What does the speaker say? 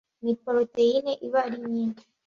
ni poroteyine iba ari nyinshi